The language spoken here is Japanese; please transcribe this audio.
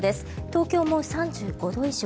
東京も３５度以上。